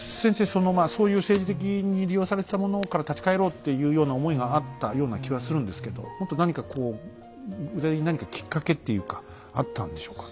そのまあそういう政治的に利用されてたものから立ち返ろうっていうような思いがあったような気はするんですけどもっと何かこう具体的に何かきっかけっていうかあったんでしょうか？